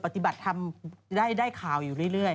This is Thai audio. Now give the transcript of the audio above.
ปฏิบัติธรรมได้ข่าวอยู่เรื่อย